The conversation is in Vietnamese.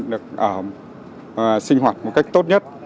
được sinh hoạt một cách tốt nhất